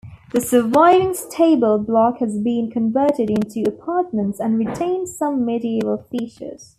The surviving stable block has been converted into apartments and retains some medieval features.